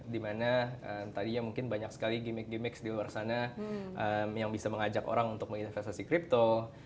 dimana tadinya mungkin banyak sekali gimmick gimmick di luar sana yang bisa mengajak orang untuk menginvestasi crypto